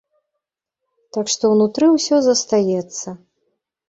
Так што ўнутры ўсё застаецца.